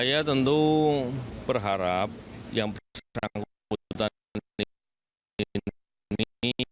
saya tentu berharap yang bersangkutan ini